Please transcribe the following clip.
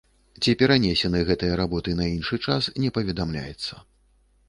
Ці перанесены гэтыя работы на іншы час, не паведамляецца.